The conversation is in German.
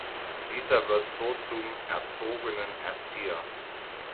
Dieser wird so zum „erzogenen Erzieher“.